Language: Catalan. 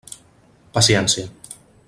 Paciència.